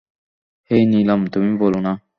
হেই নিলাম তুমি বলো না।